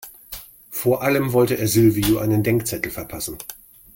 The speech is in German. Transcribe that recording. Vor allem wollte er Silvio einen Denkzettel verpassen.